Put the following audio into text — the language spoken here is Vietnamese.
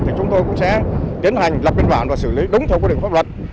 thì chúng tôi cũng sẽ tiến hành lập biên bản và xử lý đúng theo quy định pháp luật